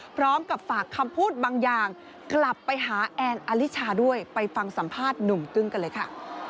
พร้อมกับฝากคำพูดบางอย่างกลับไปหาแอนอลิชาด้วยไปฟังสัมภาษณ์หนุ่มกึ้งกันเลยค่ะ